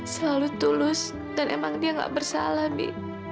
selalu tulus dan emang dia gak bersalah bi